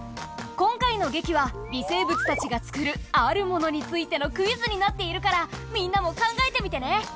今回の劇は微生物たちが作るあるものについてのクイズになっているからみんなも考えてみてね。